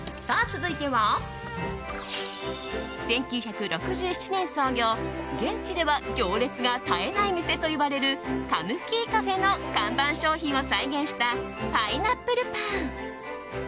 続いては１９６７年創業現地では行列が絶えない店といわれるカムキーカフェの看板商品を再現したパイナップルパン。